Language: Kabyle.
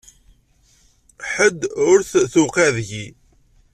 Ḥedd ur t-tewqiɛ deg-i.